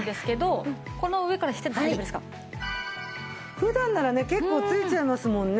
普段ならね結構ついちゃいますもんね。